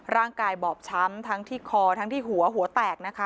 บอบช้ำทั้งที่คอทั้งที่หัวหัวแตกนะคะ